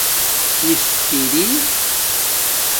استری اِر